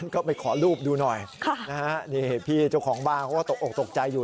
ก็ไปขอรูปดูหน่อยนี่พี่เจ้าของบ้านเขาก็ตกออกตกใจอยู่